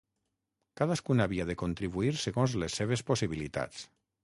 Cadascun havia de contribuir segons les seves possibilitats.